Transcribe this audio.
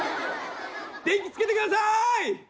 電気つけてください！